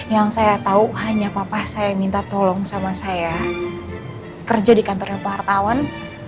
yang saya tahu hanya papa saya minta tolong sama saya kerja di kantornya wartawan